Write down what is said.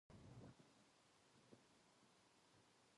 冷蔵庫を開けると、そこには見知らぬ砂漠が広がっていた。